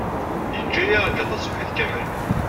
Yejja-iyi ṛjiɣ taṣebḥit kamel.